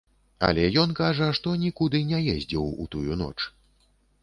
Але ён кажа, што нікуды не ездзіў у тую ноч.